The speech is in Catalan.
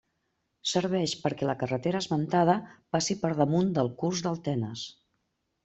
Serveix perquè la carretera esmentada passi per damunt del curs del Tenes.